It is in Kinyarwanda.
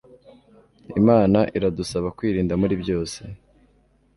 Imana iradusaba kwirinda muri byose